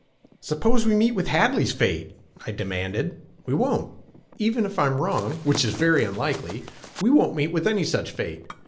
"Suppose we meet with Hadley's fate?" I demanded. "We won't. Even if I am wrong which is very unlikely we won't meet with any such fate.